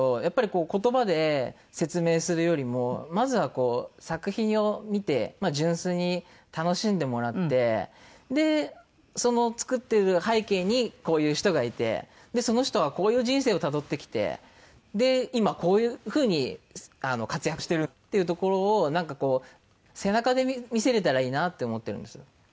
やっぱりこう言葉で説明するよりもまずは作品を見て純粋に楽しんでもらってでその作ってる背景にこういう人がいてその人はこういう人生をたどってきて今こういう風に活躍してるっていうところをなんか背中で見せれたらいいなって思ってるんですよ。